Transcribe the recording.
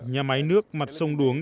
nhà máy nước mặt sông đuống